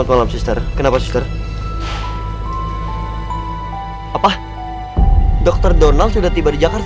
tapi kenapa perasaan aku menganggap